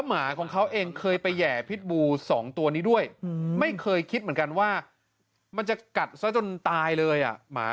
ไม่เคยคิดเหมือนกันว่ามันจะกัดสักตัวจนตายเลยอ่ะ